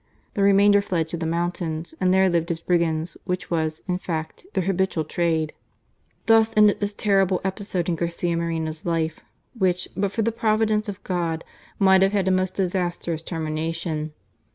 The remainder fled to the mountains and there lived as brigands, which was, in fact, their habitual trade. Thus ended this terrible episode in Garcia Moreno's life, which, but for the providence of God, might have had a most disastrous termination.